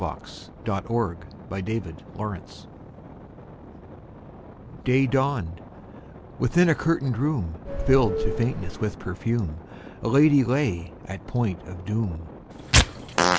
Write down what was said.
W X . Y Z History of a Life DAY dawned: within a curtained room, Filled to faintness with perfume, A lady lay at point of doom.